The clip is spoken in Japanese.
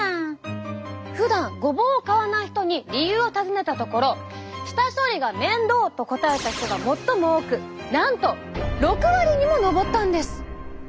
ふだんごぼうを買わない人に理由を尋ねたところ「下処理が面倒」と答えた人が最も多くなんと６割にも上ったんです。